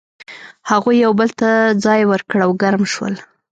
هغوی یو بل ته ځای ورکړ او ګرم شول.